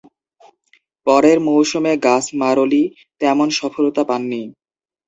পরের মৌসুমে গাসমারোলি তেমন সফলতা পাননি।